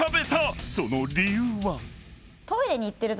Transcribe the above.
［その理由は？］